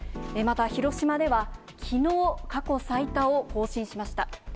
また広島では、きのう、過去最多を更新しました。